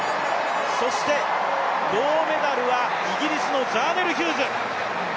そして銅メダルはイギリスのザーネル・ヒューズ。